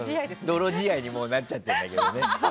泥仕合になっちゃってるんだけどね。